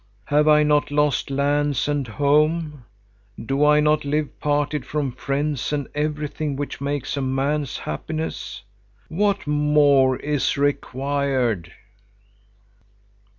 Have I not lost lands and home? Do I not live parted from friends and everything which makes a man's happiness? What more is required?"